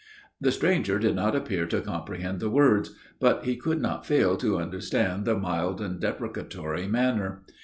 The stranger did not appear to comprehend the words; but he could not fail to understand the mild and deprecatory manner.